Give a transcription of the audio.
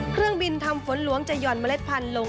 เครื่องบินทำฝนหลวงจะห่อนเมล็ดพันธุ์ลง